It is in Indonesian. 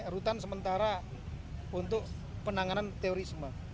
rutan sementara untuk penanganan terorisme